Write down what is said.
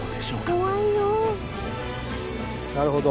なるほど。